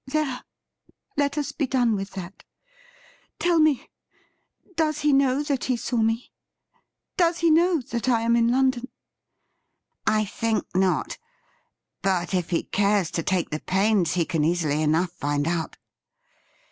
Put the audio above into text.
There ! let us be done with that. Tell me : does he know that he saw me ? Does he know that I am in London ?' I think not. But if he cares to take the pains, he can easily enough find out.'